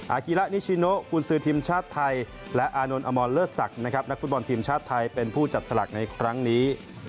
อากีฬานิชิโนคุณซือทีมชาติไทยและอานนท์อมอนเลอสักเป็นผู้จับสลากในครั้งนี้